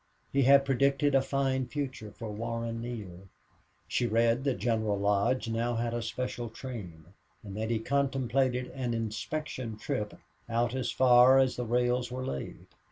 He had predicted a fine future for Warren Neale. She read that General Lodge now had a special train and that he contemplated an inspection trip out as far as the rails were laid.